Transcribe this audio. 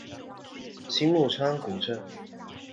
青木川古镇